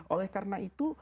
oleh karena itu